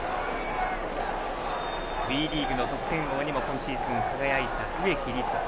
ＷＥリーグの得点王にも今シーズン輝いた植木理子。